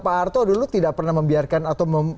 pak arto dulu tidak pernah membiarkan atau